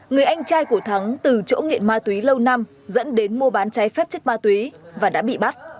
người anh trai của thắng từ chỗ nghiện ma túy lâu năm dẫn đến mua bán trái phép chất ma túy và đã bị bắt